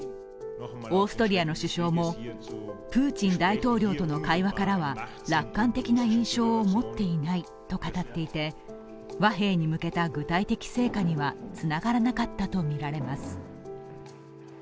オーストリアの首相も、プーチン大統領との会話からは楽観的な印象を持っていないと語っていて和平に向けた具体的成果にはつながらなかったとみられます。